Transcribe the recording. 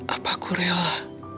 apa aku rela